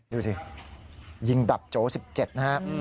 ดูสิยิงดับโจ๋๑๗นะครับ